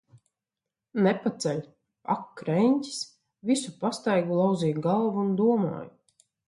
Nepaceļ. Ak, kreņķis! Visu pastaigu lauzīju galvu un domāju.